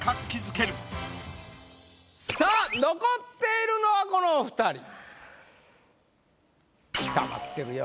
さぁ残っているのはこのお２人。